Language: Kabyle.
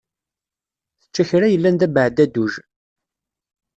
Tečča kra yellan d abeɛdadduj.